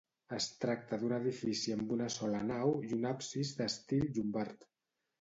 Es tracta d'un edifici amb una sola nau i un absis d'estil llombard.